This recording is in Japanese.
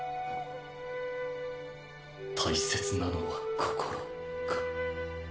大切なのは心か。